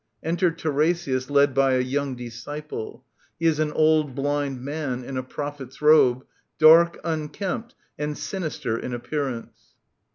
Enter Tiresias led by a young disciple. He is an old ^^ blind man in a prophet's robe^ dark^ unkempt and j sinister in appearance.